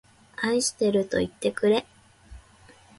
愛しているといってくれ